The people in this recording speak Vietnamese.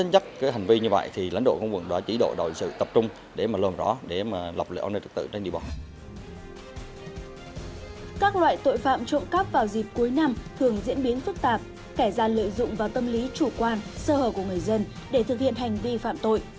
các loại tội phạm trộm cắp vào dịp cuối năm thường diễn biến phức tạp kẻ gian lợi dụng vào tâm lý chủ quan sơ hờ của người dân để thực hiện hành vi phạm tội